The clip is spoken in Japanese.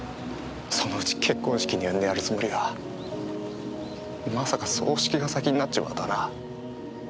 そのうち結婚式に呼んでやるつもりがまさか葬式が先になっちまうとはな。